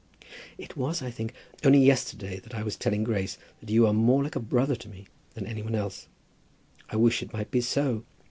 "It was, I think, only yesterday that I was telling Grace that you are more like a brother to me than any one else. I wish it might be so.